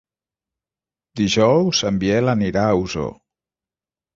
Dijous en Biel anirà a Osor.